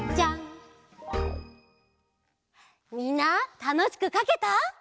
みんなたのしくかけた？